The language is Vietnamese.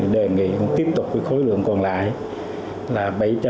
để đề nghị tiếp tục với khối lượng còn lại là bảy trăm một mươi ba